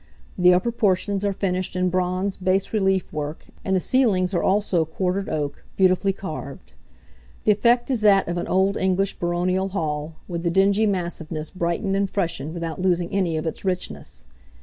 The upper portions are finished in bronze bas relief work, and the ceilings are also quartered oak, beautifully carved. The effect is that of an old English baronial hall, with the dingy massiveness brightened and freshened without losing any of its richness.